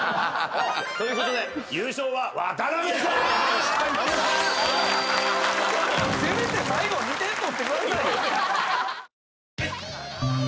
ということで優勝は渡辺さん！